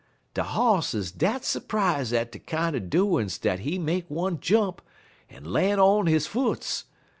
_ De Hoss 'uz dat s'prise at dat kinder doin's dat he make one jump, en lan' on he foots.